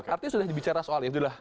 artinya sudah dibicara soal